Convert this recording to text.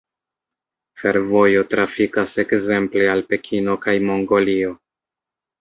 Fervojo trafikas ekzemple al Pekino kaj Mongolio.